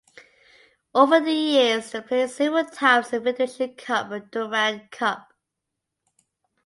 Over the years they played several times in the Federation Cup and Durand Cup.